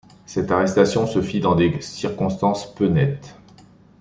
Cette arrestation se fit dans des circonstances peu nettes.